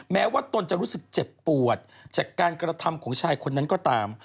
แม้ว่าตนจะรู้สึกเจ็บปวดจากการกระทำของชายคนนั้นก็ตาม